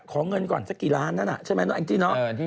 ขอเงินก่อนสักกี่ล้านใช่ไหม